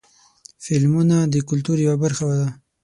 فلمونه د کلتور یوه برخه ده.